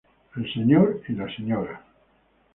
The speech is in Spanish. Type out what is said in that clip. El Sr. y la Sra.